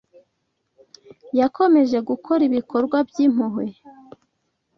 Yakomeje gukora ibikorwa by’impuhwe